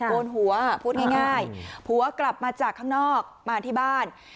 โกนหัวพูดง่ายผัวกลับมาจากข้างนอกมาที่บ้าน